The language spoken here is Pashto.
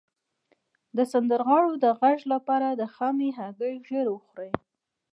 د سندرغاړو د غږ لپاره د خامې هګۍ ژیړ وخورئ